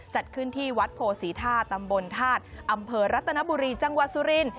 จัดขึ้นที่วัดโพศีธาตุตำบลธาตุอำเภอรัตนบุรีจังหวัดสุริน